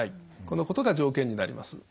このことが条件になります。